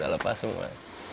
saya tak lepas semua